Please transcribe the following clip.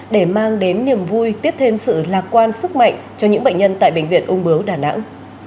để mang đến niềm vui tiếp thêm sự lạc quan sức mạnh cho những bệnh nhân tại bệnh viện ung bướu đà nẵng